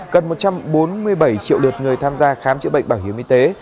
gần một trăm bốn mươi bảy triệu lượt người tham gia khám chữa bệnh bảo hiểm y tế